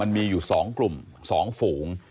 มันมีอยู่สองกลุ่มสองฝูง